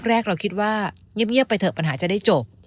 แรกเราคิดว่าเงียบไปเถอะปัญหาจะได้จบ